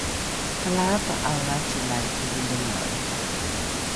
kalalrapa’ae acilai tovalange